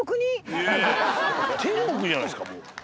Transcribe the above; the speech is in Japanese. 天国じゃないですかもう。